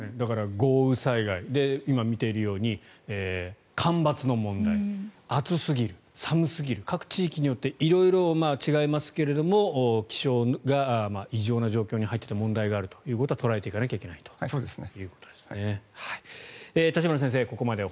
豪雨災害今見ているように干ばつの問題暑すぎる、寒すぎる各地域によって違いますが気象が異常なことによる問題があるということは捉えていかなきゃいけないということですね。